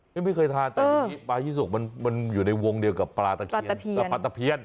ไม่เคยทานแต่ปลายี่สกมันอยู่ในวงเดียวกับปลาตะเพียน